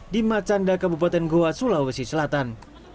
di macanda kabupaten goa sulawesi selatan